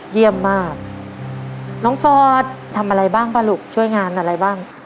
เยี่ยมมากน้องฟอร์ดทำอะไรบ้างป่ะลูกช่วยงานอะไรบ้าง